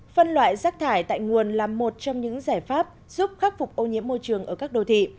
phân loại rác thải tại nguồn là một trong những giải pháp giúp khắc phục ô nhiễm môi trường ở các đô thị